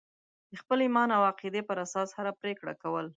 د خپل ایمان او عقیدې پر اساس هره پرېکړه کول.